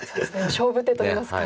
勝負手といいますか。